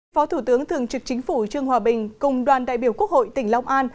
phó thủ tướng thường trực chính phủ trương hòa bình cùng đoàn đại biểu quốc hội tỉnh long an